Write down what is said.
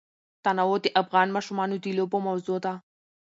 تنوع د افغان ماشومانو د لوبو موضوع ده.